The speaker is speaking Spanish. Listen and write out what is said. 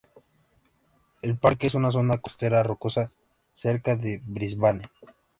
El parque es una zona costera rocosa cerca de Brisbane.